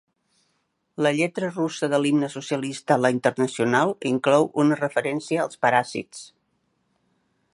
La lletra russa de l'himne socialista "La internacional" inclou una referència als paràsits.